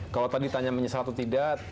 kalau tadi tanya menyesal atau tidak